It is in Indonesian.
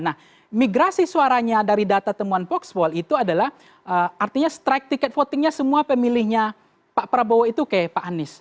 nah migrasi suaranya dari data temuan box wall itu adalah artinya strike ticket votingnya semua pemilihnya pak prabowo itu kayak pak anies